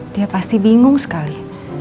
dia pasti bingung sekali